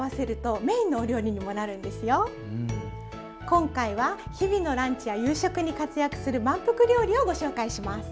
今回は日々のランチや夕食に活躍する満腹料理をご紹介します。